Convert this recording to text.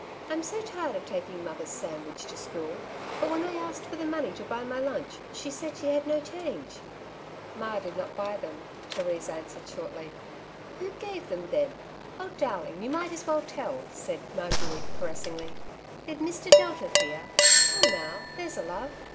I am so tired of taking mother's sand wich to school, but when I asked for the money to buy my lunch, she said she had no change." ''Ma did not buy them," Therese answered jshortly. '* Who gave them then ? Oh, darling, you might as well tell," said Marguerite caressingly. "Did Mr. Delta, Thea ? Come now, there's a love.